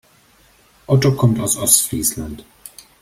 Otto kommt aus Ostfriesland.